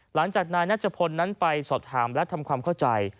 หลังจากนายนัชพลนั้นไปสอบถามและทำความเข้าใจ